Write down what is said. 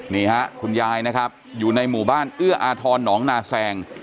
นี่ฮะคุณยายนะครับอยู่ในหมู่บ้านเอื้ออาทรหนองนาแซง